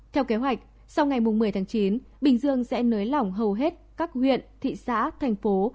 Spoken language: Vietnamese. theo kế hoạch sau ngày một mươi tháng chín bình dương sẽ nới lỏng hầu hết các huyện thị xã thành phố